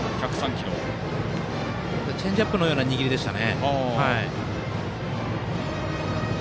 チェンジアップのような握りでした。